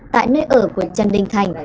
tại nơi ở của trần đình thành